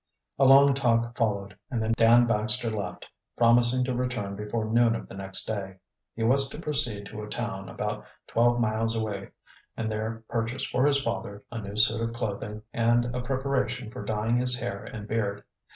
A long talk followed, and then Dan Baxter left, promising to return before noon of the next day. He was to proceed to a town about twelve miles away and there purchase for his father a new suit of clothing and a preparation for dyeing his hair and beard.